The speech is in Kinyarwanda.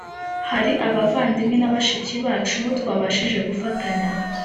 Hari abavandimwe na bashiki bacu nibo twabashije gufatanya